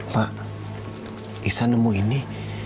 ma iksan nemu ini